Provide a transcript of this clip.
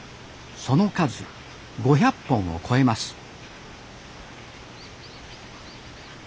その数５００本を超えます